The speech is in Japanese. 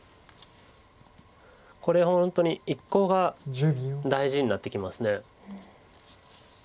これ本当に一コウが大事になってきます。